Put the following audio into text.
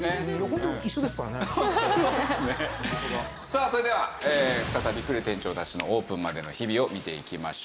さあそれでは再び呉店長たちのオープンまでの日々を見ていきましょう。